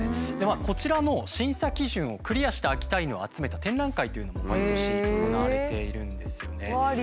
こちらの審査基準をクリアした秋田犬を集めた展覧会というのも毎年行われているんですよね。